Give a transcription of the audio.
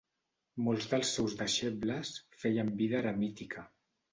Molts dels seus deixebles feien vida eremítica.